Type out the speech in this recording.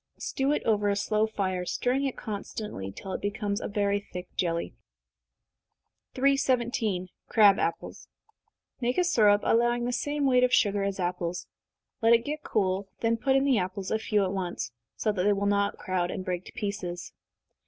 Stew it over a slow fire, stirring it constantly, till it becomes very thick jelly. 317. Crab Apples. Make a syrup, allowing the same weight of sugar as apples. Let it get cool, then put in the apples, a few at once, so that they will not crowd, and break to pieces.